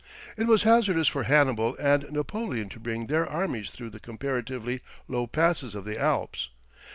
It was hazardous for Hannibal and Napoleon to bring their armies through the comparatively low passes of the Alps.